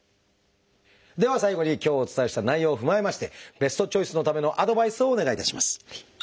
では最後に今日お伝えした内容を踏まえましてベストチョイスのためのアドバイスをお願いします。